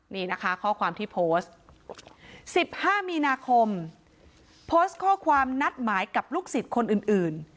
นี่นะคะข้อความที่โพสต์๑๕มีนาคมโพสต์ข้อความนัดหมายกับลูกศิษย์คนอื่น